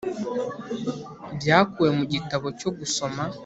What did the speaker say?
byakuwe mu gitabo cyo gusoma